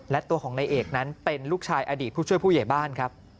และตัวของนายเอกนั้นเป็นลูกชายอดีตผู้ช่วยผู้ใหญ่บ้านครับ